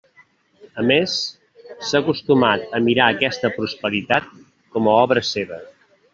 A més, s'ha acostumat a mirar aquesta prosperitat com a obra seva.